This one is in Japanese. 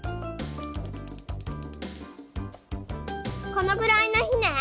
このぐらいのひね？